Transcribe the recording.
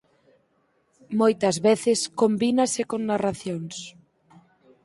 Moitas veces combinase con narracións.